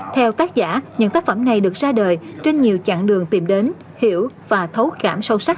theo tác giả những tác phẩm này được ra đời trên nhiều chặng đường tìm đến hiểu và thấu cảm sâu sắc